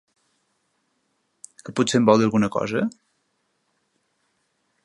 Que potser em vol dir alguna cosa?